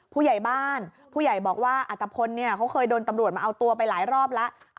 ผู้ใหญ่บ้านผู้ใหญ่บอกว่าอัตภพลเนี่ยเขาเคยโดนตำรวจมาเอาตัวไปหลายรอบแล้ว